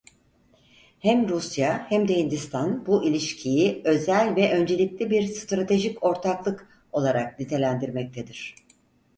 Hem Rusya hem de Hindistan bu ilişkiyi "özel ve öncelikli bir stratejik ortaklık" olarak nitelendirmektedir.